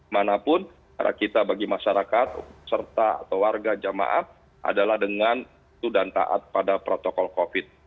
manapun cara kita bagi masyarakat serta atau warga jamaah adalah dengan itu dan taat pada protokol covid